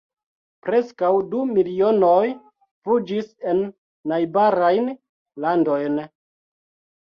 Preskaŭ du milionoj fuĝis en najbarajn landojn.